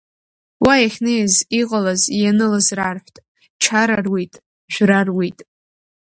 Уа иахьнеиз иҟалаз, ианылаз рарҳәт, чара руит, жәра руит.